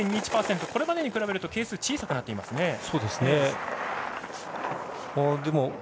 これまでと比べると係数が小さくなっていますね。